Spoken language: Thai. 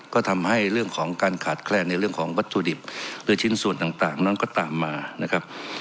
ก็ทำให้เรื่องของการขาดแคลนในเรื่องของวัตถุดิบหรือชิ้นส่วนต่างนั้นก็ตามมานะครับ